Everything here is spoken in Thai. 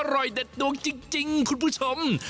อร่อยเด็ดดวงจริงคุณผู้ชม